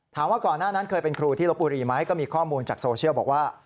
ก่อนหน้านั้นเคยเป็นครูที่ลบบุรีไหมก็มีข้อมูลจากโซเชียลบอกว่า